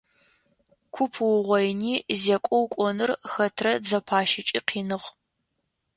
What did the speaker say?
Куп уугъоини зекӀо укӀоныр хэтрэ дзэпащэкӀи къиныгъ.